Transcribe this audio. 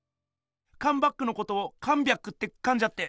「カンバック」のとこを「カンビャック」ってかんじゃって！